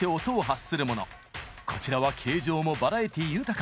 こちらは形状もバラエティー豊か。